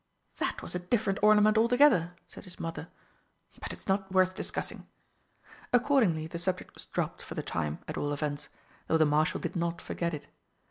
"That was a different ornament altogether," said his mother; "but it's not worth discussing." Accordingly the subject was dropped, for the time, at all events, though the Marshal did not forget it.